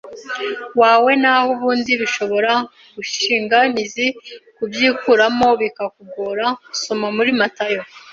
wawe Naho ubundi bishobora gushinga imizi kubyikuramo bikakugora Soma muri Matayo